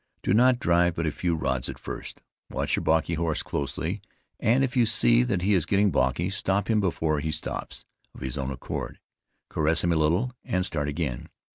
Do not drive but a few rods at first; watch your balky horse closely, and if you see that he is getting balky, stop him before he stops of his own accord, caress him a little, and start again.